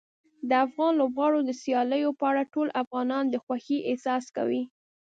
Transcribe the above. د افغان لوبغاړو د سیالیو په اړه ټول افغانان د خوښۍ احساس کوي.